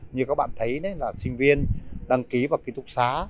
như các bạn thấy là sinh viên đăng ký vào ký túc xá